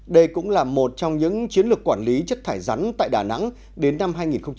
đây cũng là một trong những chiến lược quản lý chất thải rắn tại đà nẵng đến năm hai nghìn ba mươi